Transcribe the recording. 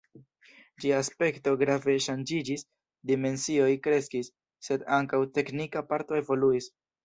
Ĝia aspekto grave ŝanĝiĝis, dimensioj kreskis, sed ankaŭ teknika parto evoluis.